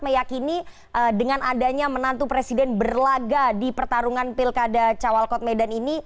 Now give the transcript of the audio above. meyakini dengan adanya menantu presiden berlaga di pertarungan pilkada cawalkot medan ini